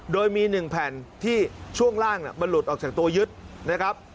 โดยมี๑แผ่นที่ช่วงล่างมันหลุดออกจากตัวยึดนะครับ